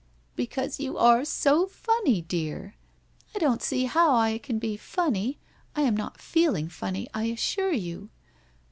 ' Because you are so funny, dear.' ' I don't see how I can be funny ? I am not feeling funny, I assure you.'